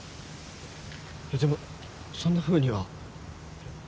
でもそんなふうには。